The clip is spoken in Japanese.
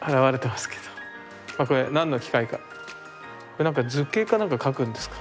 何の機械か図形か何か描くんですか？